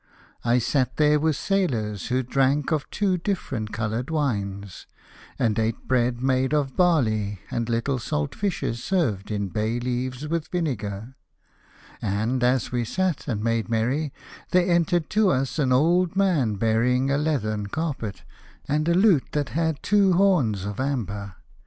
I sat there with sailors who drank of two different coloured wines, and ate bread made of barley, and little salt fish served in bay leaves with vinegar. And as we sat and 108 The Fisherman and his Soul. made merry, there entered to us an old man bearing a leathern carpet and a lute that had two horns of amber.